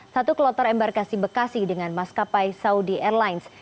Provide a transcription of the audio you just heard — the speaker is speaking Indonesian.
satu kloter embarkasi bekasi dengan maskapai saudi airlines